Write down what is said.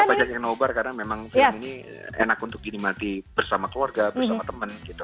dan mereka banyak yang nobar karena memang film ini enak untuk dinimati bersama keluarga bersama teman gitu